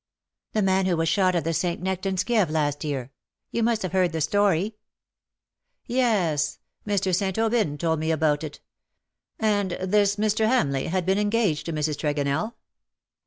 " The man who was shot at St. Nectan^s Kieve last year. You must have heard the story." " Yes ; Mr. St. Aubyn told me about it. And this Mr. Hamleigh had been engaged to Mrs. Tregonell?